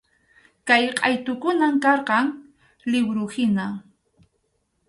Kay qʼaytukunam karqan liwruhina.